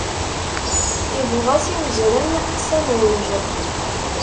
Iwweḍ-as i uzrem s amruj.